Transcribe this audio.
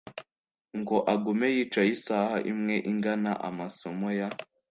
ngo agume yicaye isaha imwe igana amasomo ya